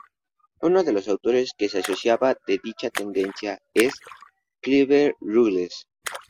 Uno de los autores que se asociaba a dicha tendencia es Clive Ruggles.